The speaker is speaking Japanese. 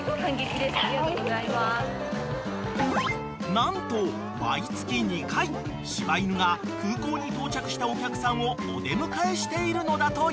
［何と毎月２回柴犬が空港に到着したお客さんをお出迎えしているのだという］